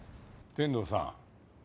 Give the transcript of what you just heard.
天堂さん。